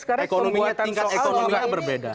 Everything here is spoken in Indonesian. sekarang tingkat ekonomi berbeda